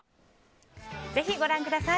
ぜひご覧ください。